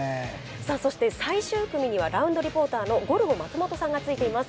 そして、最終組にはラウンドリポーターのゴルゴ松本さんがついています。